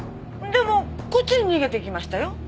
でもこっちに逃げていきましたよ。